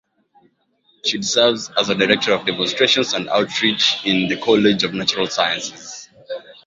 She serves as Director of Demonstrations and Outreach in the College of Natural Sciences.